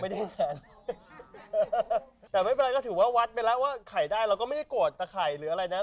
แขนแต่ไม่เป็นไรก็ถือว่าวัดไปแล้วว่าไข่ได้เราก็ไม่ได้โกรธตะไข่หรืออะไรนะ